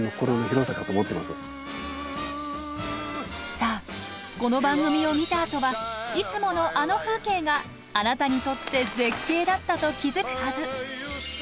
さあこの番組を見たあとはいつものあの風景があなたにとって「絶景」だったと気付くはず。